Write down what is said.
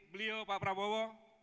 beliau pak prabowo